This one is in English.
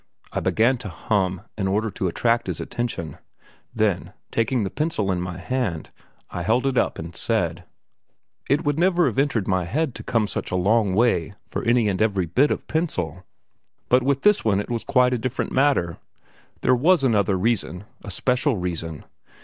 I began to hum in order to attract his attention. Then, taking the pencil in my hand, I held it up and said: "It would never have entered my head to come such a long way for any and every bit of pencil, but with this one it was quite a different matter; there was another reason, a special reason.